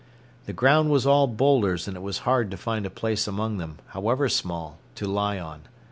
The ground was all boulders and it was hard to find a place among them, however small, to lie on.